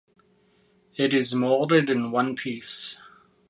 It is molded in one piece.